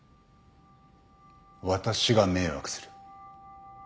私が迷惑する。